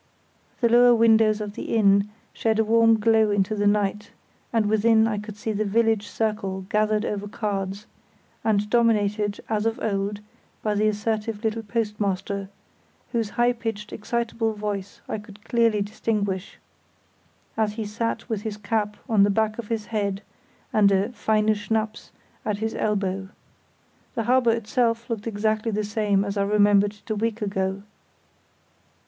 The lower windows of the inn shed a warm glow into the night, and within I could see the village circle gathered over cards, and dominated as of old by the assertive little postmaster, whose high pitched, excitable voice I could clearly distinguish, as he sat with his cap on the back of his head and a "feine schnapps" at his elbow. The harbour itself looked exactly the same as I remembered it a week ago.